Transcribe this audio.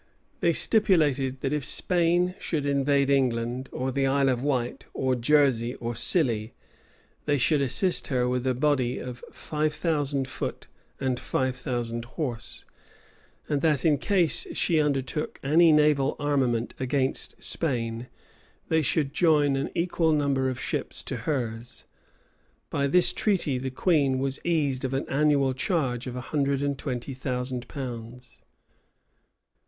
They stipulated, that if Spain should invade England, or the Isle of Wight, or Jersey, or Scilly, they should assist her with a body of five thousand foot and five hundred horse; and that in case she undertook any naval armament against Spain, they should join an equal number of ships to hers.[*] By this treaty, the queen was eased of an annual charge of a hundred and twenty thousand pounds.